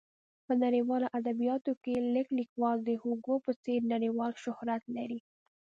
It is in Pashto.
په نړیوالو ادبیاتو کې لږ لیکوال د هوګو په څېر نړیوال شهرت لري.